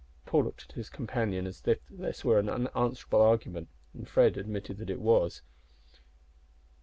Paul looked at his companion as if this were an unanswerable argument and Fred admitted that it was.